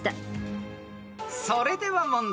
［それでは問題］